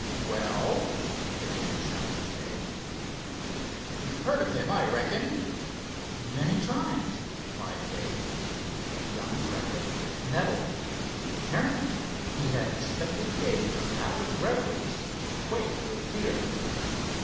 "Well?" again challenged Dave. "You've heard of him, I reckon." "Many times," replied Dave. Young Brackett looked nettled. Apparently he had expected Dave to bow with reverence or quake with fear.